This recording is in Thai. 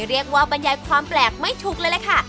เรียกว่าบรรยายความแปลกไม่ถูกเลยแหละค่ะ